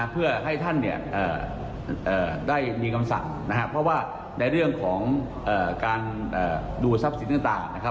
เพื่อให้ท่านได้มีกำสั่งเพราะว่าในเรื่องของการดูสับสินต่าง